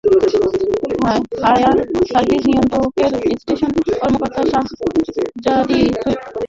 Fire সার্ভিসের নিয়ন্ত্রণকক্ষের station কর্মকর্তা শাহজাদী সুলতানা বিস্ফোরণের কারণ সম্পর্কে কিছু বলতে পারেননি।